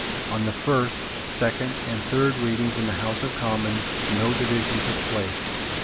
On the first, second and third readings in the House of Commons no division took place.